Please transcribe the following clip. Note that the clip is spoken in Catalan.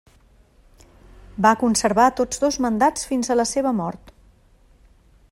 Va conservar tots dos mandats fins a la seva mort.